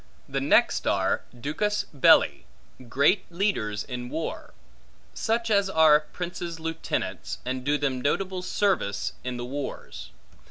The next are duces belli, great leaders in war; such as are princes' lieutenants, and do them notable services in the wars.